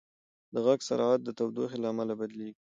د غږ سرعت د تودوخې له امله بدلېږي.